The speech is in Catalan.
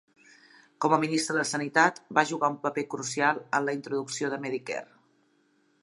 Com a ministre de sanitat, va jugar un paper crucial en la introducció del Medicare.